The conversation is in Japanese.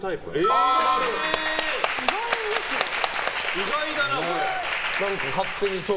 意外だな、これ。